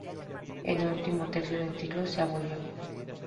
En el último tercio del siglo se abolió